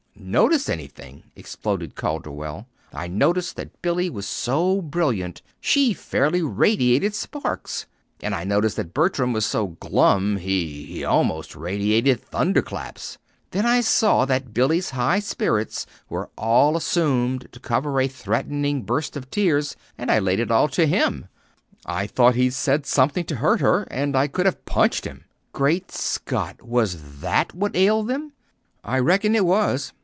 "Notice anything!" exploded Calderwell. "I noticed that Billy was so brilliant she fairly radiated sparks; and I noticed that Bertram was so glum he he almost radiated thunderclaps. Then I saw that Billy's high spirits were all assumed to cover a threatened burst of tears, and I laid it all to him. I thought he'd said something to hurt her; and I could have punched him. Great Scott! Was that what ailed them?" "I reckon it was.